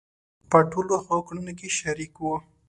په ټولو هغو کړنو کې شریک وو.